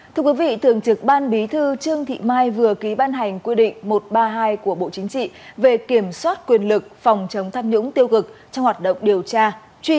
thưa quý vị thường trực ban bí thư trương thị mai vừa ký ban hành quy định một trăm ba mươi hai của bộ chính trị về kiểm soát quyền lực phòng chống tham nhũng tiêu cực trong hoạt động điều tra